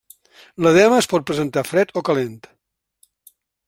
L'edema es pot presentar fred o calent.